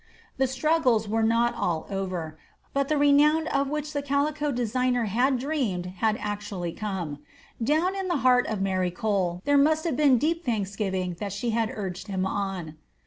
The struggles were not all over, but the "renown" of which the calico designer had dreamed had actually come. Down in the heart of Mary Cole there must have been deep thanksgiving that she had urged him on.